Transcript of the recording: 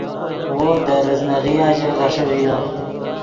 وو دے ریزناغیا ژے غیݰے ڤیو